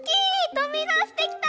とびだしてきた！